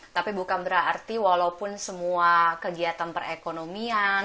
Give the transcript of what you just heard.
tapi bukan berarti walaupun semua kegiatan perekonomian